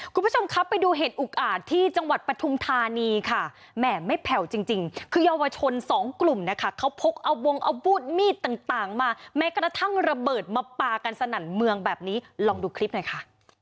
คุณผู้ชมครับไปดูเหตุอุกอาจที่จังหวัดปฐุมธานีค่ะแหมไม่แผ่วจริงคือเยาวชนสองกลุ่มนะคะเขาพกเอาวงอาวุธมีดต่างมาแม้กระทั่งระเบิดมาปลากันสนั่นเมืองแบบนี้ลองดูคลิปหน่อยค่ะ